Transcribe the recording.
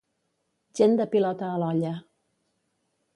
Gent de pilota a l'olla.